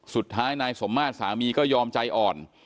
สุดท้ายนายสมมาตรสามีก็ยอมใจอ่อน